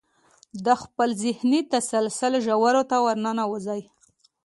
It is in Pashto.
د خپل ذهني تسلسل ژورو ته ورننوځئ.